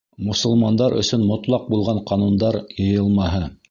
Мосолмандар өсөн мотлаҡ булған ҡанундар йыйылмаһы.